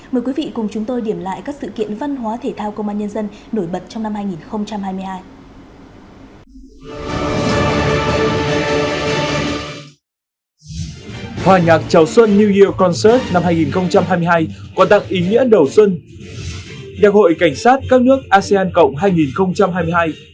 mời quý vị cùng chúng tôi điểm lại các sự kiện văn hóa thể thao công an nhân dân nổi bật trong năm hai nghìn hai mươi hai